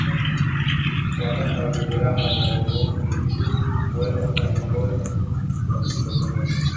Wanyama wenye jeraha linaloruhusu vijidudu kuwepo kwenye ngozi husababisha ugonjwa huu